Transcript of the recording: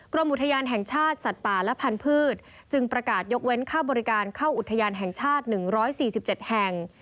กรมอุทยานแห่งชาติสัตว์ป่าและพันธุ์จึงประกาศยกเว้นค่าบริการเข้าอุทยานแห่งชาติ๑๔๗แห่ง